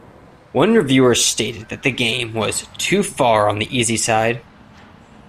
One reviewer stated that the game was "too far on the easy side".